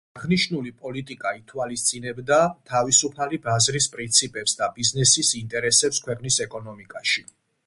აღნიშნული პოლიტიკა ითვალისწინებდა თავისუფალი ბაზრის პრინციპებს და ბიზნესის ინტერესებს ქვეყნის ეკონომიკაში.